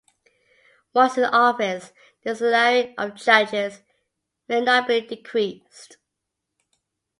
Once in office, the salary of judges may not be decreased.